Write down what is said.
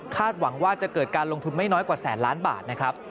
หวังว่าจะเกิดการลงทุนไม่น้อยกว่าแสนล้านบาทนะครับ